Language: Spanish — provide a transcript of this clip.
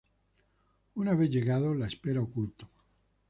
Una vez llegado, la espera oculto.